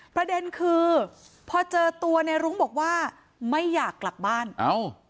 ประเด็นคือพอเจอตัวในรุ้งบอกว่าไม่อยากกลับบ้านเอ้า